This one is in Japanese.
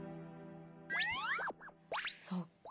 そっか。